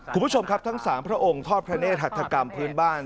คุณผู้ชมครับทั้ง๓พระองค์ทอดพระเนธหัตถกรรมพื้นบ้าน